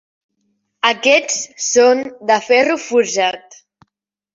Aquests són de ferro forjat.